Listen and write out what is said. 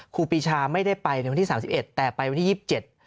ครูปีชาไม่ได้ไปในวันที่สามสิบเอ็ดแต่ไปวันที่ยี่สิบเจ็ด